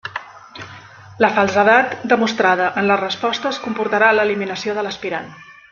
La falsedat demostrada en les respostes comportarà l'eliminació de l'aspirant.